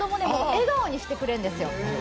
笑顔にしてくれるんですよ。